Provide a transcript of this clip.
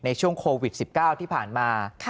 ในช่วงโควิด๑๙ที่ผ่านมา